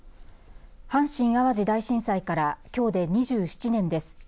阪神・淡路大震災からきょうで２７年です。